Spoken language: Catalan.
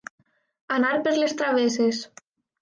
Anar per les travesses.